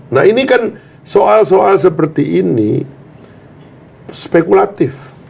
nah ini kan soal soal seperti ini spekulatif